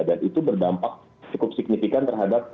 dan itu berdampak cukup signifikan terhadap